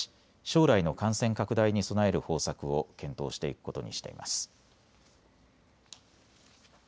将来の感染拡大に備える方策を検討していくことにしています。